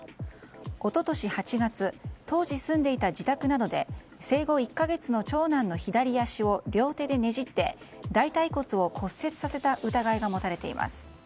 一昨年８月当時住んでいた自宅などで生後１か月の長男の左足を両手でねじって大たい骨を骨折させた疑いが持たれています。